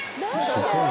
すごい。